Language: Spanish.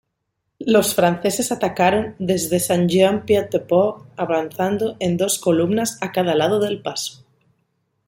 Los franceses atacaron desde Saint-Jean-Pied-de-Port avanzando en dos columnas a cada lado del paso.